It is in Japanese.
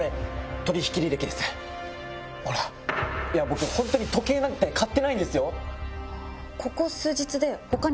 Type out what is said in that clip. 僕本当に時計なんて買ってないんですよ。